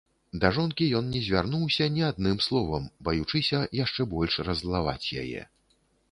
Да жонкі ён не звярнуўся ні адным словам, баючыся яшчэ больш раззлаваць яе.